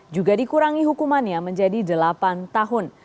juga dikurangi hukumannya menjadi delapan tahun